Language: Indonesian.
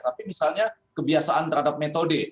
tapi misalnya kebiasaan terhadap metode